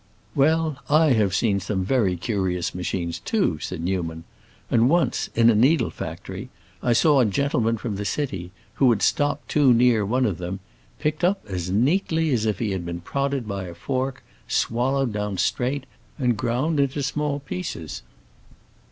"Well, I have seen some very curious machines too," said Newman; "and once, in a needle factory, I saw a gentleman from the city, who had stopped too near one of them, picked up as neatly as if he had been prodded by a fork, swallowed down straight, and ground into small pieces."